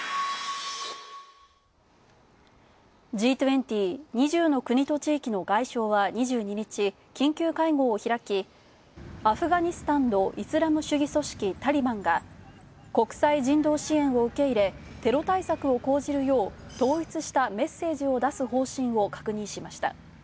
Ｇ２０＝２０の国と地域の外相は２２日、緊急会合を開き、アフガニスタンのイスラム主義組織タリバンが国際人道支援を受け入れ、テロ対策を講じるよう統一したメッセージを出す方針を確認しました。